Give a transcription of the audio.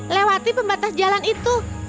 lewati pembatas jalan itu